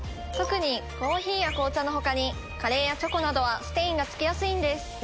特にコーヒーや紅茶のほかにカレーやチョコなどはステインがつきやすいんです。